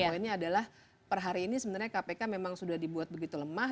poinnya adalah per hari ini sebenarnya kpk memang sudah dibuat begitu lemah